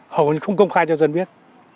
hầu như không công khai cho dân biết